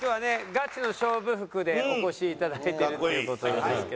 ガチの勝負服でお越しいただいてるという事ですけども。